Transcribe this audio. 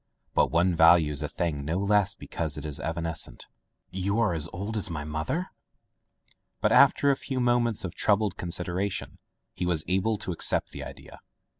But one values a thing no less because it is evanescent. "You as old as my mother!'* But after a few moments of troubled consideration he Was able to accept the idea.